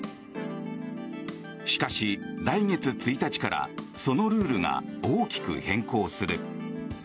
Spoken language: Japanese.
しかし、来月１日からそのルールが大きく変更する。